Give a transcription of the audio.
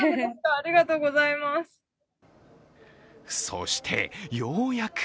そして、ようやく